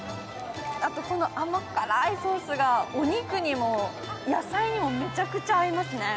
あと、この甘辛いソースが、お肉にも野菜にもめちゃくちゃ合いますね。